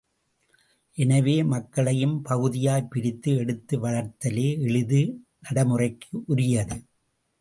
எனவே மக்களையும் பகுதியாய் பிரித்து எடுத்து வளர்த்தலே எளிது நடைமுறைக்குரியது.